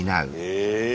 へえ！